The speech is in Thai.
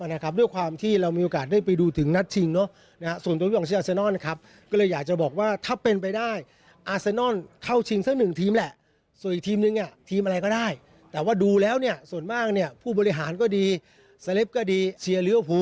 แล้วคว้าถ้วยกระบาวเข้าไปต่อหน้าภูมิไปหาเลย